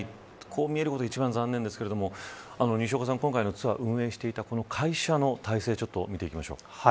こう見えるのが一番残念ですが今回のツアーを運営していた会社の概要を見ていきましょう。